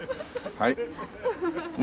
はい。